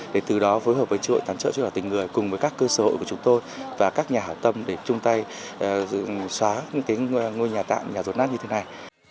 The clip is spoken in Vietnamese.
để từ đó phối hợp với chữ thập đỏ tình người cùng với các cơ sở hội của chúng tôi và các nhà hảo tâm để chung tay xóa những ngôi nhà tạm nhà rột nát như thế này